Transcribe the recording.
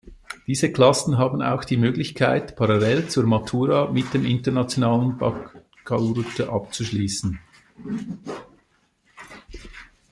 Diese Klassen haben auch die Möglichkeit, parallel zur Matura mit dem International Baccalaureate abzuschliessen.